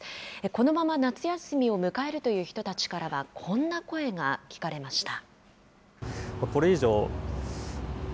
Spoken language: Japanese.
このまま夏休みを迎えるという人たちからはこんな声が聞かれました。